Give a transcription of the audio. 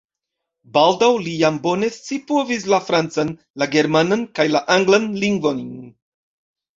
Baldaŭ li jam bone scipovis la francan, la germanan kaj la anglan lingvojn.